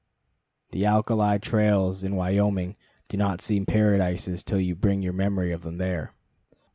The alkali trails in Wyoming do not seem paradises till you bring your memory of them here.